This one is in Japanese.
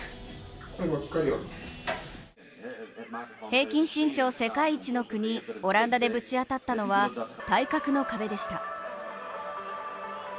平均身長世界一の国・オランダでぶち当たったのは体格の壁でした。